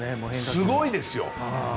すごいですよ。